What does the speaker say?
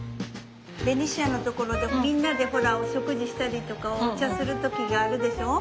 ベニシアのところでみんなでほらお食事したりとかお茶する時があるでしょう？